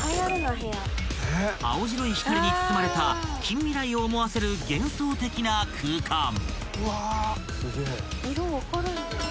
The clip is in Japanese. ［青白い光に包まれた近未来を思わせる幻想的な空間］